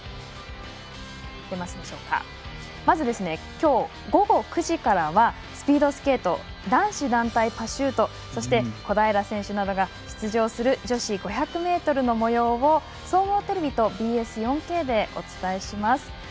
まず今日午後９時からはスピードスケート男子団体パシュートそして小平選手などが出場する女子５００ｍのもようを総合テレビとＢＳ４Ｋでお伝えします。